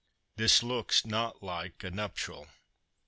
This looks not like a nuptial.